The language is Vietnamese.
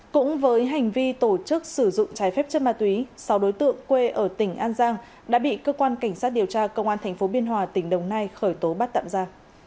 cũng với hành vi tổ chức sử dụng trái phép chất ma túy sáu đối tượng quê ở tỉnh an giang đã bị cơ quan cảnh sát điều tra công an tp biên hòa tỉnh đồng nai khởi tố bắt tạm ra